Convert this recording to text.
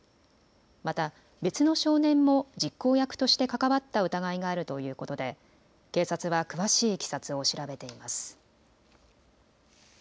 また別の少年も実行役として関わった疑いがあるということで警察は詳しいいきさつを調べています。